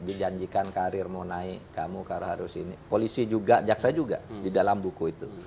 dijanjikan karir mau naik kamu harus ini polisi juga jaksa juga di dalam buku itu